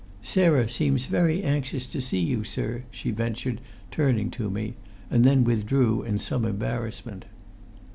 "Sarah seems very anxious to see you, sir," she ventured, turning to me, and then withdrew in some embarrassment.